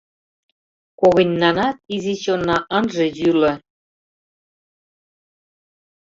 Когыньнанат изи чонна ынже йӱлӧ.